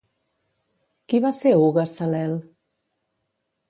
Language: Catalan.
Qui va ser Hugues Salel?